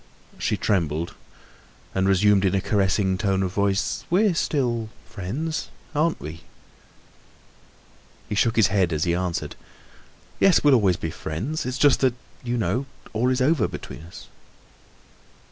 She trembled and resumed in a caressing tone of voice: "We're still friends, aren't we?" He shook his head as he answered: "Yes, we'll always be friends. It's just that, you know, all is over between us."